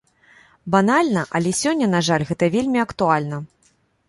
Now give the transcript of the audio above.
Банальна, але сёння, на жаль, гэта вельмі актуальна.